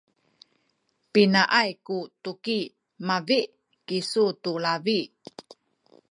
pinaay ku tuki mabi’ kisu tu labi?